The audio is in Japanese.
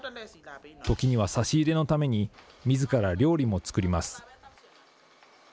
ときには差し入れのために、みずから料理も作ります。